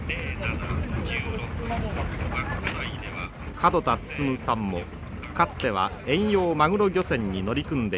門田進さんもかつては遠洋マグロ漁船に乗り組んでいました。